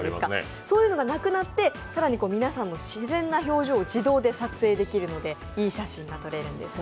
そういうのがなくなって、更に皆さんの自然な表情を自動で撮影できるのでいい写真が撮れるんですね。